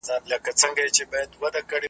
نو بیا ولي ګیله من یې له اسمانه .